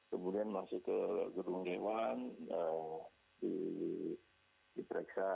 kemudian masuk ke gedung dewan diperiksa